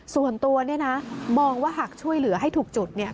ส่วนตัวเนี่ยนะมองว่าหากช่วยเหลือให้ถูกจุดเนี่ย